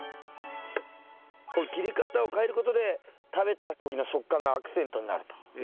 この切り方を変える事で食べた時の食感がアクセントになると。